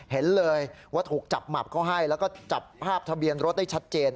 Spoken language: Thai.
เห็นเลยว่าถูกจับหมับเขาให้แล้วก็จับภาพทะเบียนรถได้ชัดเจน